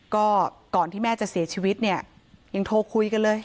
ก็ก่อนที่แม่จะเสียชีวิตเนี่ยยังโทรคุยกันเลย